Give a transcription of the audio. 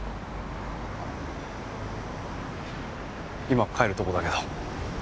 今帰るとこだけど。